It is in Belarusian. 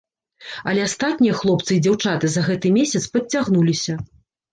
Але астатнія хлопцы і дзяўчаты за гэты месяц падцягнуліся.